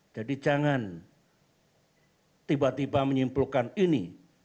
jadi jangan tiba tiba menyimpulkan ini